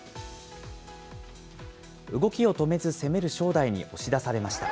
動きを止めず攻める正代に押し出されました。